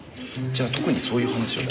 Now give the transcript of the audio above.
じゃあ特にそういうお話は。